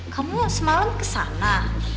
kamu semalam kesana